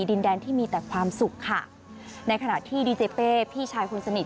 ดินแดนที่มีแต่ความสุขค่ะในขณะที่ดีเจเป้พี่ชายคนสนิท